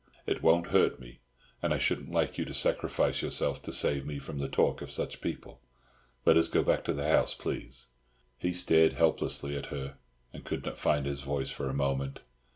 It won't hurt me, and I shouldn't like you to sacrifice yourself to save me from the talk of such people. Let us go back to the house, please." He stared helplessly at her, and could not find his voice for a moment.